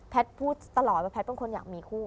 พูดตลอดว่าแพทย์เป็นคนอยากมีคู่